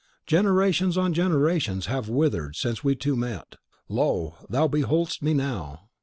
Generations on generations have withered since we two met! Lo! thou beholdest me now!"